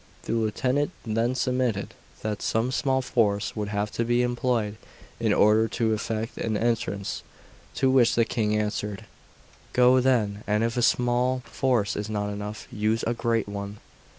The lieutenant then submitted that some small force would have to be employed in order to effect an entrance. To which the King answered: "Go, then, and if a small force is not enough, use a great one."